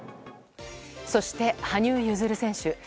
そして羽生結弦選手。